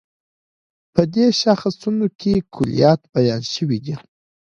په دې شاخصو کې کُليات بیان شوي دي.